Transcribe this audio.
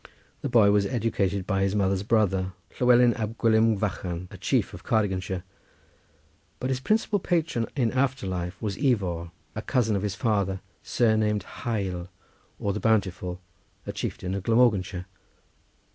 The boy was educated by his mother's brother, Llewelyn ab Gwilym Fychan, a chief of Cardiganshire; but his principal patron in after life was Ifor, a cousin of his father, surnamed Hael or the bountiful, a chieftain of Glamorganshire.